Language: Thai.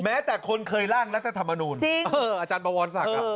แม้แต่คนเคยล่างรัฐธรรมนูญอาจารย์บะวอนสร้างกับจริง